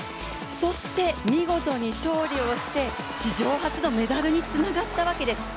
そして、見事に勝利をして、史上初のメダルにつながったわけです。